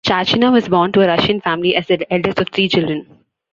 Tchachina was born to a Russian family as the eldest of three children.